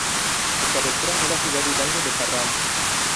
Su cabecera es la ciudad de Hidalgo del Parral.